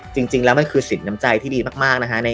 จริงแล้วมันคือสินน้ำใจที่ดีมากนะฮะ